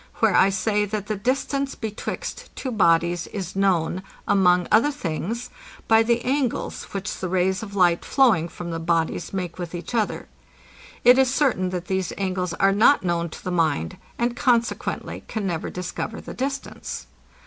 where I say, that the distance betwixt two bodies is known, among other things, by the angles, which the rays of light flowing from the bodies make with each other. It is certain, that these angles are not known to the mind, and consequently can never discover the distance.